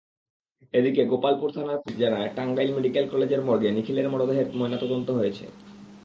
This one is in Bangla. এদিকে গোপালপুর থানার পুলিশ জানায়, টাঙ্গাইল মেডিকেল কলেজের মর্গে নিখিলের মরদেহের ময়নাতদন্ত হয়েছে।